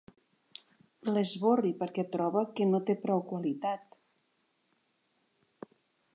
L'esborri perquè troba que no té prou qualitat.